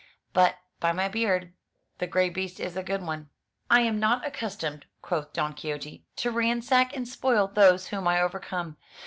But, by my beard, the grey beast is a good one !'* "I am not accustomed,'' quoth Don Quixote, "to ransack and spoil those whom I overcome.